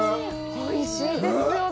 おいしいですよね。